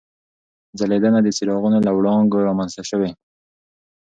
ځلېدنه د څراغونو له وړانګو رامنځته شوې.